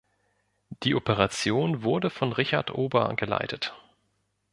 Die Operation wurde von Richard Ober geleitet.